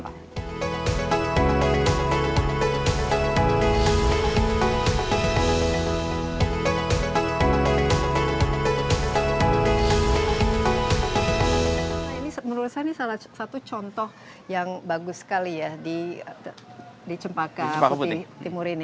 nah ini menurut saya ini salah satu contoh yang bagus sekali ya di cempaka putih timur ini